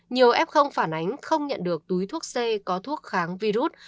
nhiều f phản ánh không nhận được túi thuốc c có thuốc kháng virus